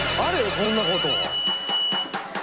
こんなこと。